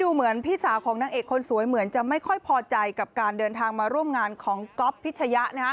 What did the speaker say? เหมือนพี่สาวของนางเอกคนสวยเหมือนจะไม่ค่อยพอใจกับการเดินทางมาร่วมงานของก๊อฟพิชยะ